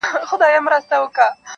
او یو ځل وای په خدایي خلکو منلی -